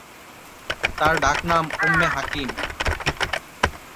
তার ডাকনাম উম্মে হাকিম।